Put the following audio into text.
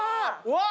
うわ！